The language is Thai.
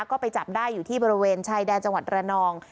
ก็ไปจับได้อยู่ที่บริเวณชายแดนจังหวัดระนอง